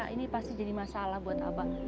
ini pasti jadi masalah buat apa